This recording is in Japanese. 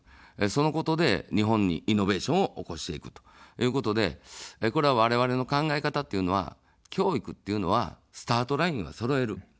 そのことで日本にイノベーションを起こしていくということで、これ、われわれの考え方というのは教育っていうのは、スタートラインをそろえる。